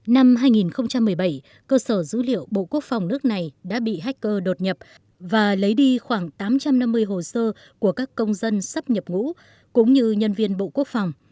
năm hai nghìn một mươi bảy cơ sở dữ liệu bộ quốc phòng nước này đã bị hacker đột nhập và lấy đi khoảng tám trăm năm mươi hồ sơ của các công dân sắp nhập ngũ cũng như nhân viên bộ quốc phòng